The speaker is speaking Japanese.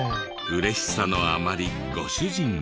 嬉しさのあまりご主人は。